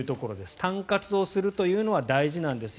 たん活をするというのは大事なんですよ